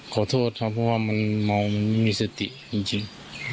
ขอโทษเพราะมันมองมิสาเทียจริง